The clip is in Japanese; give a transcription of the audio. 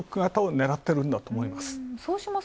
狙っているんだと思います。